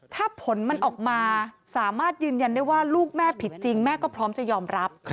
ถ้าผลมันออกมาสามารถยืนยันได้ว่าลูกแม่ผิดจริงแม่ก็พร้อมจะยอมรับ